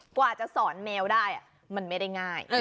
กว่าจะสอนแมวได้มันไม่ได้ง่าย